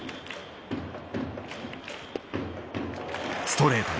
ストレート。